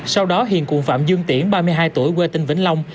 sau đó hiền cùng phạm dương tiễn ba mươi hai tuổi quê tỉnh vĩnh long